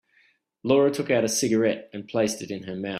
Laura took out a cigarette and placed it in her mouth.